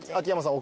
奥。